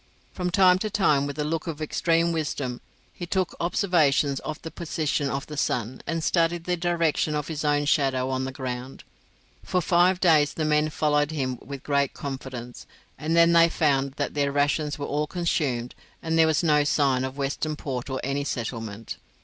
From time to time, with a look of extreme wisdom, he took observations of the position of the sun, and studied the direction of his own shadow on the ground. For five days the men followed him with great confidence, and then they found that their rations were all consumed, and there was no sign of Western Port or any settlement.